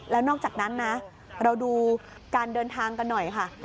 แล้วนอกจากนั้นนะเราดูการเดินทางกันหน่อยค่ะ